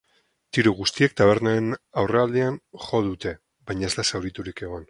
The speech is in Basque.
Tiro guztiek tabernaren aurrealdean jo dute, baina ez da zauriturik egon.